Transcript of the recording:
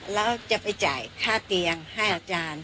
แล้วจะไปจ่ายค่าเตียงให้อาจารย์